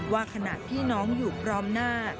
ว่าขณะที่น้องอยู่พร้อมหน้า